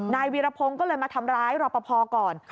วีรพงศ์ก็เลยมาทำร้ายรอปภก่อน